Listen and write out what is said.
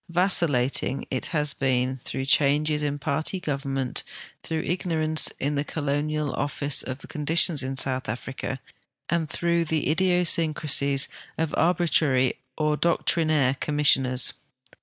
Vacillating it has been, through changes in party government, through ignorance in the colonial office of conditions in South Africa, and through the idiosyncrasies of arbitrary or doctrinaire commissioners.